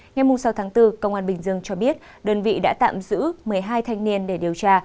ngày sáu tháng bốn công an bình dương cho biết đơn vị đã tạm giữ một mươi hai thanh niên để điều tra